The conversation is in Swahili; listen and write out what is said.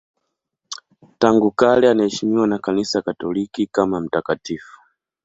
Tangu kale anaheshimiwa na Kanisa Katoliki kama mtakatifu.